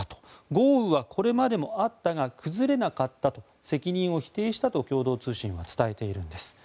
豪雨はこれまでもあったが崩れなかったと責任を否定したと共同通信は伝えているんです。